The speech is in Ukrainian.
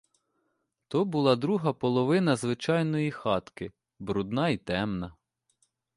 То була друга половина звичайної хатки, брудна й темна.